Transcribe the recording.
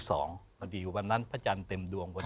พอดีวันนั้นพระจันทร์เต็มดวงพอดี